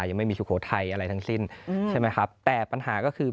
ยังไม่มีสุโขทัยอะไรทั้งสิ้นใช่ไหมครับแต่ปัญหาก็คือ